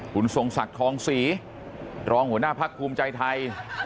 คุณทรงศักดิ์ทองศรีรองหัวหน้าพักภูมิใจไทย